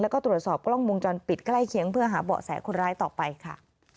แล้วก็ตรวจสอบกล้องวงจรปิดใกล้เคียงเพื่อหาเบาะแสคนร้ายต่อไปค่ะ